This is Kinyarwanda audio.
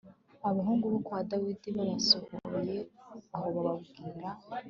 Abahungu bo kwa dawidi basohoye aho babwira